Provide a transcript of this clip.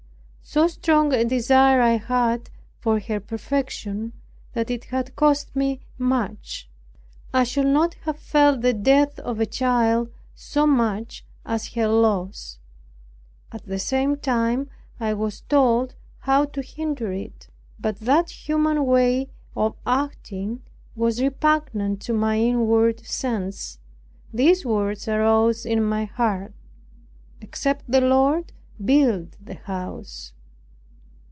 So strong a desire I had for her perfection that it had cost me much. I should not have felt the death of a child so much as her loss; at the same time I was told how to hinder it, but that human way of acting was repugnant to my inward sense; these words arose in my heart, "Except the Lord build the house."